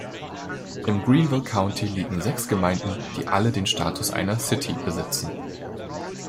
Im Greenville County liegen sechs Gemeinden, die alle den Status einer "City" besitzen.